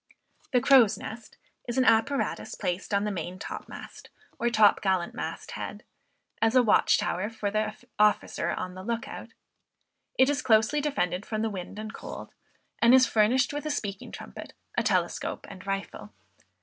The crow's nest is an apparatus placed on the main top mast, or top gallant mast head, as a watch tower for the officer on the lookout. It is closely defended from the wind and cold, and is furnished with a speaking trumpet, a telescope and rifle.